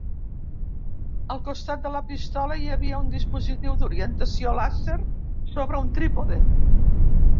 Al costat de la pistola hi havia un dispositiu d'orientació làser sobre un trípode.